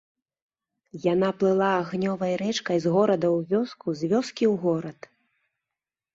Яна плыла агнёвай рэчкай з горада ў вёску, з вёскі ў горад.